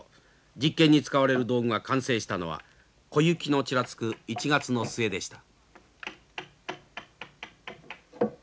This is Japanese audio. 実験に使われる道具が完成したのは小雪のちらつく１月の末でした。